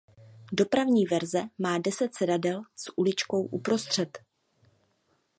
Dopravní verze má deset sedadel s uličkou uprostřed.